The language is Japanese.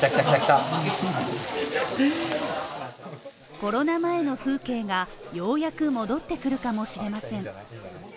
コロナ前の風景がようやく戻ってくるかもしれません。